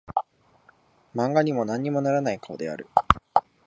漫画にも何もならない顔である